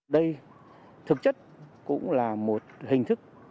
đây thực chất cũng là một hình thức